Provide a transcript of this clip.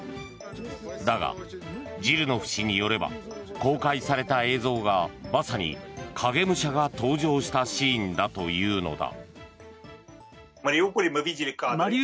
だが、ジルノフ氏によれば公開された映像がまさに影武者が登場したシーンだというのだ。